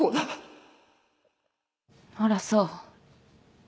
あらそう。